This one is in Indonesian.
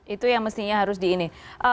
itu yang mestinya harus di ini